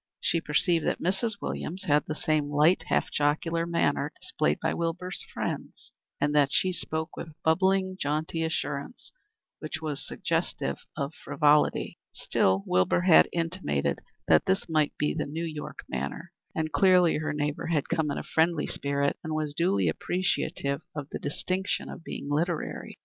She perceived that Mrs. Williams had the same light, half jocular manner displayed by Wilbur's friends, and that she spoke with bubbling, jaunty assurance, which was suggestive of frivolity. Still Wilbur had intimated that this might be the New York manner, and clearly her neighbor had come in a friendly spirit and was duly appreciative of the distinction of being literary.